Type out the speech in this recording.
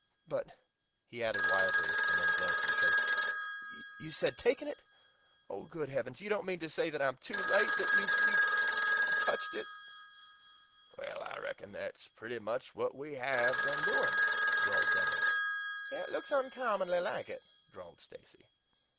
But," he added wildly, as the men glanced at each other "you said 'taken it.' Good heavens! you don't mean to say that I'm TOO late that you've you've touched it?" "I reckon that's pretty much what we HAVE been doing," drawled Demorest. "It looks uncommonly like it," drawled Stacy.